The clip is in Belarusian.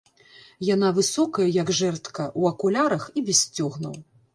Яна высокая, як жэрдка, у акулярах і без сцёгнаў.